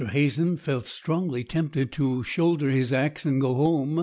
Hazen felt strongly tempted to shoulder his axe and go home.